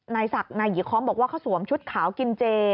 นายศักดิ์นายหยีค้อมบอกว่าเขาสวมชุดขาวกินเจ